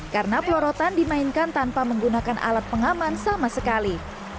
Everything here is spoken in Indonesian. karena pelorotan dimainkan tanpa menggunakan alat pengaman sama sekali